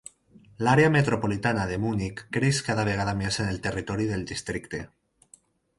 L'àrea metropolitana de Munic creix cada vegada més en el territori del districte.